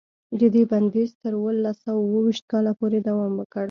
د دې بندیز تر اوولس سوه اوه ویشت کاله پورې دوام وکړ.